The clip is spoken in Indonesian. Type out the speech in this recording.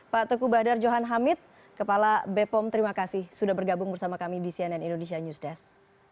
pak teguh bahdar johan hamid kepala bepom terima kasih sudah bergabung bersama kami di cnn indonesia news desk